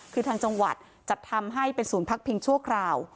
คือทางจังหวัดจัดทำให้เป็นศูนย์พักพิงชั่วคราว